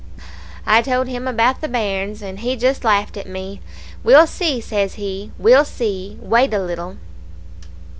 "I told him about the bairns, and he just laughed at me. 'We'll see,' says he. 'We'll see. Wait a little.'